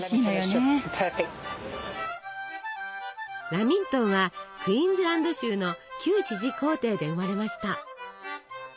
ラミントンはクイーンズランド州の旧知事公邸で生まれました。